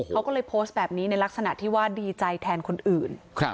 เขาก็เลยโพสต์แบบนี้ในลักษณะที่ว่าดีใจแทนคนอื่น